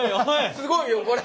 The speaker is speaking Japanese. すごいよこれ！